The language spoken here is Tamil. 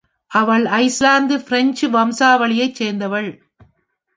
அவள் ஐஸ்லாந்து-பிரஞ்சு வம்சாவளியைச் சேர்ந்தவள்.